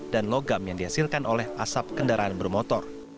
dan logam yang dihasilkan oleh asap kendaraan bermotor